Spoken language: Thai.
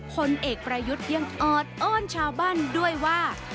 ผลเอกประยุทธ์ยังออดอ้อนชาวบ้านด้วยว่า